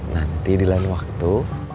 nanti di lain waktu